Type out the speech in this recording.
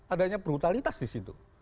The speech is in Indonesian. adanya brutalitas di situ